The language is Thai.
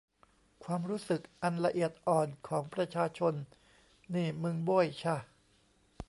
ความรู้สึกอันละเอียดอ่อนของประชาชนนี่มึงโบ้ยช่ะ